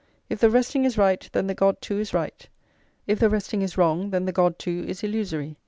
If the resting is right, then the God too is right; if the resting is wrong, then the God too is illusory."